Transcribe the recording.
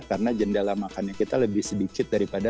karena jendela makannya kita lebih sedikit daripada